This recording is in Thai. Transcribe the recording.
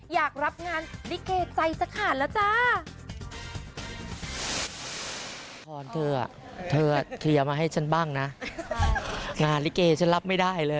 อยากรับงานลิเกใจจะขาดแล้วจ้า